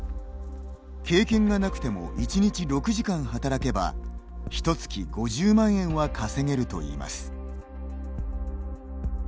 経験がなくても１日６時間働けばひと月５０万円は稼げるといいます。